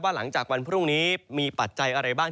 หลังจากวันพรุ่งนี้มีปัจจัยอะไรบ้าง